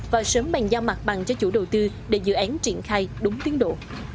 và sớm bàn giao mặt bằng cho chủ đầu tư để dự án triển khai đúng tiến độ